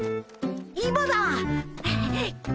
今だ！